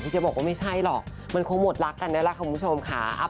พี่เสียบอกว่าไม่ใช่หรอกมันคงหมดรักกันแล้วล่ะคุณผู้ชมค่ะ